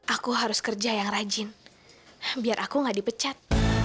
aku harus kerja yang rajin biar aku nggak dipecat